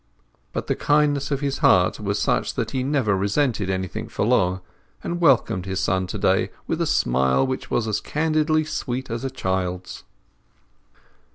But the kindness of his heart was such that he never resented anything for long, and welcomed his son to day with a smile which was as candidly sweet as a child's.